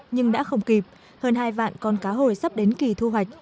nhưng đã không kịp hơn hai vạn con cá hồi sắp đến kỳ thu hoạch